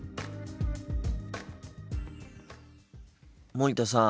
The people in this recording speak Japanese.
森田さん